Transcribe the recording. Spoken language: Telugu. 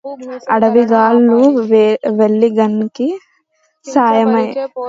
అడవి గాల్చు వేళ నగ్నికి సాయమై